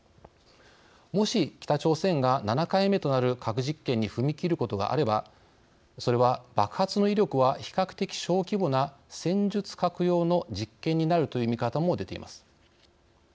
もし北朝鮮が７回目となる核実験に踏み切ることがあればそれは爆発の威力は比較的小規模な戦術核用の実験になるという見方も出ています。